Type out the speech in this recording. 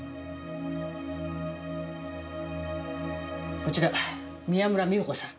こちら宮村美保子さん。